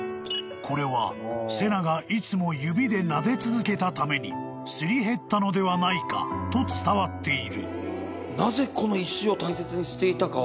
［これは瀬名がいつも指でなで続けたためにすり減ったのではないか？と伝わっている］